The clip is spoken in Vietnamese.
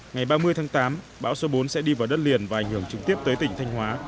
ngày ba mươi tháng tám bão số bốn sẽ đi vào đất liền và ảnh hưởng trực tiếp tới tỉnh thanh hóa